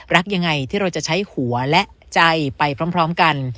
รักยังไงที่เราจะใช้หัวและใจไปพร้อมกัน